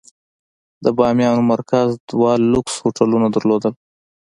د بامیان مرکز دوه لوکس هوټلونه درلودل.